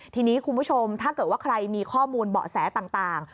ทีนี้คุณผู้ชมถ้าเกิดว่าใครมีข้อมูลเบาะแสต่าง